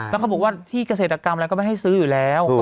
แล้วเขาบอกว่าที่เกษตรกรรมอะไรก็ไม่ให้ซื้ออยู่แล้ว